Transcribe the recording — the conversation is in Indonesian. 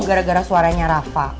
gara gara suaranya rafa